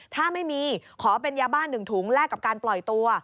ถ้าไม่มีขอเป็นยาบ้าน๑ถุงแลกกับการปล่อยตัว